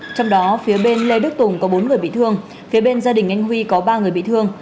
trong đó phía bên lê đức tùng có bốn người bị thương phía bên gia đình anh huy có ba người bị thương